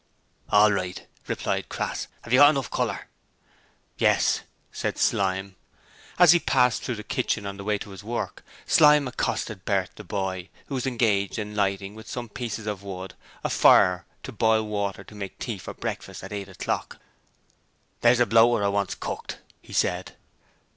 'All right,' replied Crass. 'Have you got enough colour?' 'Yes,' said Slyme. As he passed through the kitchen on the way to his work, Slyme accosted Bert, the boy, who was engaged in lighting, with some pieces of wood, a fire to boil the water to make the tea for breakfast at eight o'clock. 'There's a bloater I want's cooked,' he said.